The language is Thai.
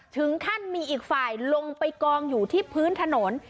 ถึงขั้นมีอีกฝ่ายลงไปกองอยู่ที่พื้นถนน